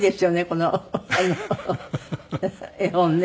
この絵本ね。